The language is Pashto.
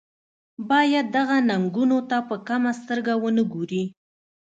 باید دغو ننګونو ته په کمه سترګه ونه ګوري.